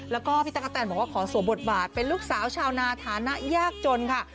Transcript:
แล้วก็พี่ตั๊กกะแตนบอกว่าขอสวมบทบาทเป็นลูกสาวชาวนาฐานะยากจนค่ะ